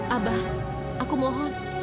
abah aku mohon